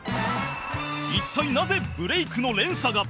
一体なぜブレイクの連鎖が？